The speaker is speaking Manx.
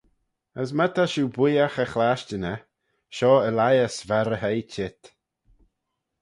As my ta shiu booiagh y chlashtyn eh, shoh Elias va ry hoi çheet.